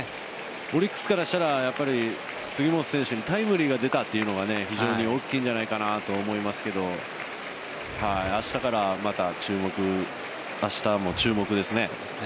オリックスからしたらやっぱり杉本選手にタイムリーが出たというのが非常に大きいんじゃないかなとは思いますが明日も注目ですね。